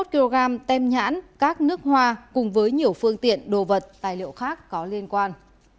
hai mươi kg tem nhãn các nước hoa cùng với nhiều phương tiện đồ vật tài liệu khác có liên quan